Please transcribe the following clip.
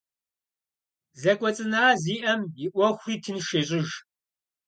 Зэкӏуэцӏына зиӏэм и ӏуэхури тынш ещӏыж.